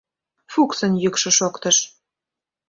— Фуксын йӱкшӧ шоктыш.